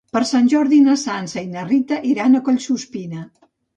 Per Sant Jordi na Sança i na Rita iran a Collsuspina.